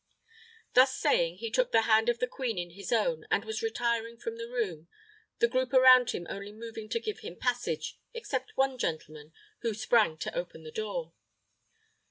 Thus saying, he took the hand of the queen in his own, and was retiring from the room, the group around him only moving to give him passage, except one gentleman, who sprang to open the door.